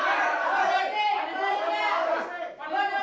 kandung kandung taga semoga berubah